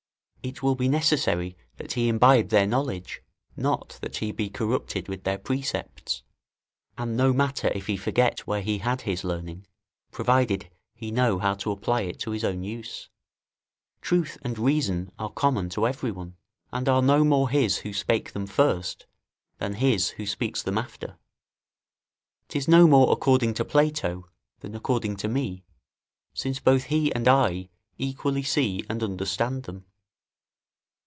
It will be necessary that he imbibe their knowledge, not that he be corrupted with their precepts; and no matter if he forget where he had his learning, provided he know how to apply it to his own use. Truth and reason are common to every one, and are no more his who spake them first, than his who speaks them after: 'tis no more according to Plato, than according to me, since both he and I equally see and understand them.